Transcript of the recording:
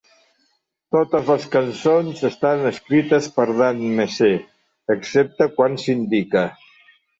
Totes les cançons estan escrites per Dan Messé, excepte quan s'indica.